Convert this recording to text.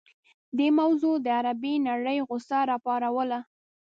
دې موضوع د عربي نړۍ غوسه راوپاروله.